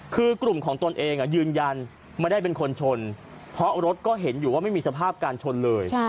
คือกลุ่มของตนเองยืนยันไม่ได้เป็นคนชนเพราะรถก็เห็นอยู่ว่าไม่มีสภาพการชนเลย